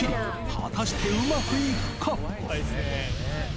果たして、うまくいくか？